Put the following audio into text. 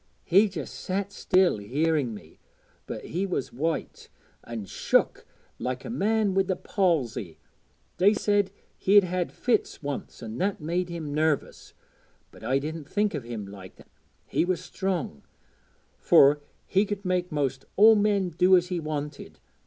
He just sat still hearing me, but he was white, an' shook like a man wi' the palsy. They said he'd had fits once an' that made him nervous, but I didn't think o' him like that. He was strong, fur he could make most all men do as he wanted.